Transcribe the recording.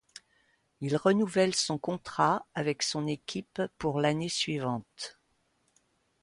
Il renouvelle son contrat avec son équipe pour l'année suivante.